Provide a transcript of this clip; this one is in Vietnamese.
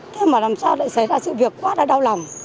thế mà làm sao lại xảy ra sự việc quá đau lòng